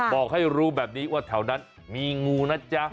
บอกให้รู้แบบนี้ว่าแถวนั้นมีงูนะจ๊ะ